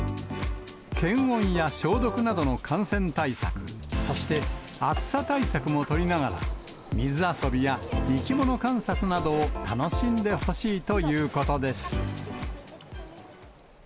検温や消毒などの感染対策、そして、暑さ対策も取りながら、水遊びや生き物観察などを楽しんでほしいということです。